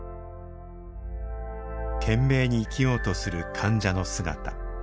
懸命に生きようとする患者の姿。